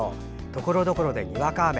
ところどころでにわか雨。